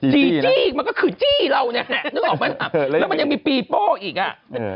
จีจี้มันก็คือจี้เราเนี่ยนึกออกไหมแล้วมันยังมีปีโป้อีกอ่ะ